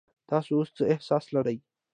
تاسو اوس څه احساس لرئ؟